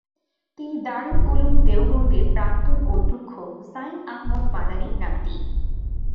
তিনি দারুল উলুম দেওবন্দের প্রাক্তন অধ্যক্ষ হুসাইন আহমদ মাদানির নাতি।